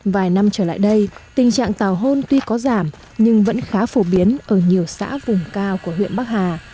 vài năm trở lại đây tình trạng tàu hôn tuy có giảm nhưng vẫn khá phổ biến ở nhiều xã vùng cao của huyện bắc hà